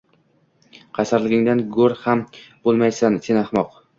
Qaysarligingdan go‘r ham bo‘lmaysan, sen ahmoq.